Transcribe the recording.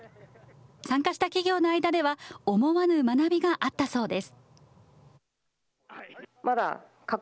参加した企業の間では、思わぬ学びがあったそうです。